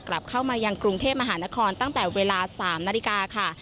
กลับเข้ามายังกรุงเทพมหานครตั้งแต่เวลา๓นาฬิกาค่ะ